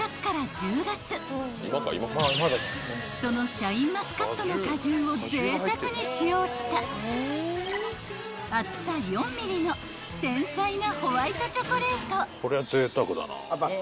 ［そのシャインマスカットの果汁をぜいたくに使用した厚さ４ｍｍの繊細な］